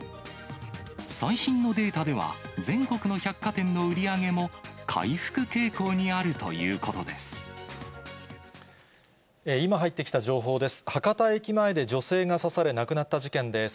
最新のデータでは、全国の百貨店の売り上げも、回復傾向にあると今入ってきた情報です。